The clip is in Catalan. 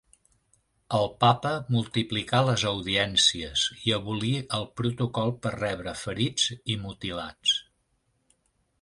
El Papa multiplicà les audiències i abolí el protocol per rebre ferits i mutilats.